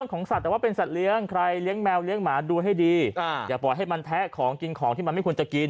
ของสัตว์แต่ว่าเป็นสัตว์เลี้ยงใครเลี้ยงแมวเลี้ยงหมาดูให้ดีอย่าปล่อยให้มันแทะของกินของที่มันไม่ควรจะกิน